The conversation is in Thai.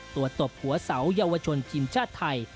ตบหัวเสาเยาวชนทีมชาติไทย